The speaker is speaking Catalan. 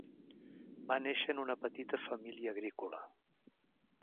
Va néixer en una petita família agrícola.